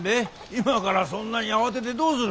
今からそんなに慌ててどうする。